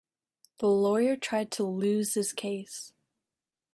The lawyer tried to lose his case.